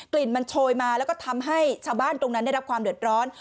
ลิ่นมันโชยมาแล้วก็ทำให้ชาวบ้านตรงนั้นได้รับความเดือดร้อน